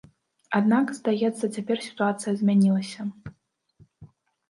Аднак, здаецца, цяпер сітуацыя змянілася.